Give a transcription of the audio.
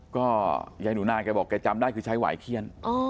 ก็ยายหนูนาแกบอกแกจำได้คือใช้หวายเขี้ยน